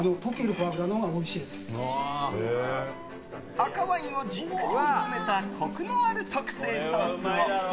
赤ワインをじっくり煮詰めたコクのある特製ソースを。